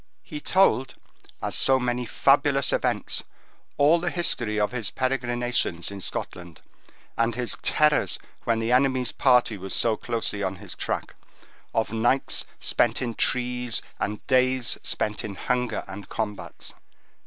He told, as so many fabulous events, all the history of his perigrinations in Scotland, and his terrors when the enemy's party was so closely on his track; of nights spent in trees, and days spent in hunger and combats.